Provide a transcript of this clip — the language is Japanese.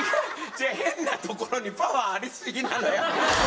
違う変なところにパワーありすぎなのよ。